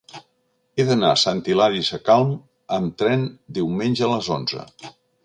He d'anar a Sant Hilari Sacalm amb tren diumenge a les onze.